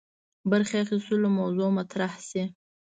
برخي اخیستلو موضوع مطرح سي.